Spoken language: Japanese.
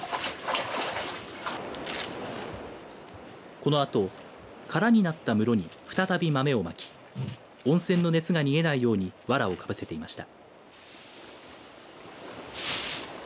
このあと空になった室に再び豆をまき温泉の熱が逃げないようにわらをかぶせていました。